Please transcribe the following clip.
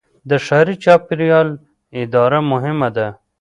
د ښاري چاپیریال اداره مهمه ده.